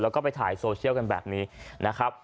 แล้วก็ไปถ่ายโซเชียลกันแบบนี้นะครับ